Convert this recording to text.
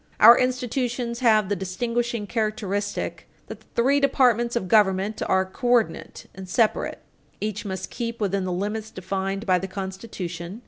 Our institutions have the distinguishing characteristic that the three departments of government are coordinate and separate. Each must keep within the limits defined by the Constitution.